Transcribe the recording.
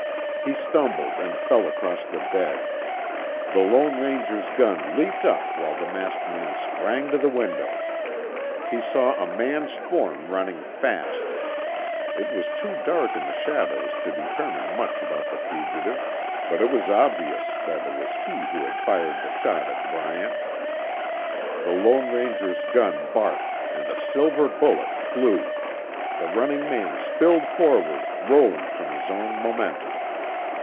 He stumbled and fell across the bed. The Lone Ranger's gun leaped up while the masked man sprang to the window. He saw a man's form running fast. It was too dark in the shadows to determine much about the fugitive, but it was obvious that it was he who had fired the shot at Bryant. The Lone Ranger's gun barked, and a silver bullet flew. The running man spilled forward, rolling from his own momentum.